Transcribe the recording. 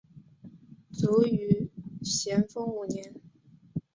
卒于咸丰五年。